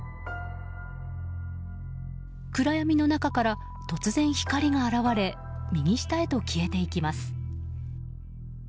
暗闇の中から、突然光が現れ右下へと消えていきます。